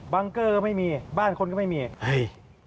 บังเกอร์ก็ไม่มีบ้านคนก็ไม่มี